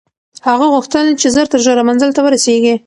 هغه غوښتل چې ژر تر ژره منزل ته ورسېږي.